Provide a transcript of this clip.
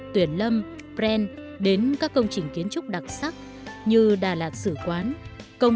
để nói lên cảm xúc yêu thương